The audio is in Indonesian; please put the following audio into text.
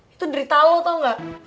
itu derita lo tau ga